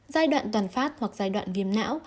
giai đoạn toàn phát hoặc giai đoạn viêm não